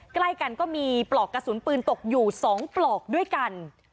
ใกล้กันก็มีปลอกกระสุนปืนตกอยู่๒ปลอกด้วยกัน